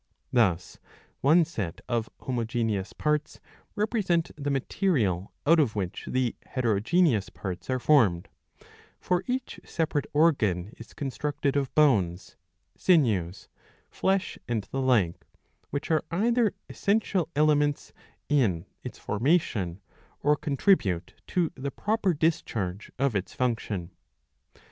Thus one set of homogeneous parts represent the material out of which the heterogeneous parts are formed ; for each separate organ is con structed of bones, sinews, flesh, and the like ; which are either essential elements in its formation, or contribute to the proper discharge of its function.